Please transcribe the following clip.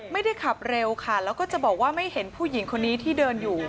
ไม่ได้ขับเร็วค่ะแล้วก็จะบอกว่าไม่เห็นผู้หญิงคนนี้ที่เดินอยู่